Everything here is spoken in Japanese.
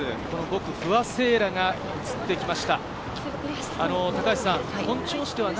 ５区、不破聖衣来が映ってきました。